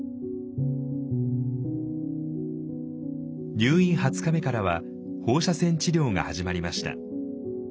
入院２０日目からは放射線治療が始まりました。